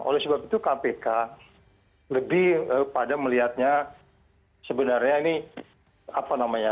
oleh sebab itu kpk lebih pada melihatnya sebenarnya ini apa namanya